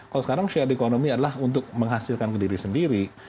kalau sekarang share economy adalah untuk menghasilkan ke diri sendiri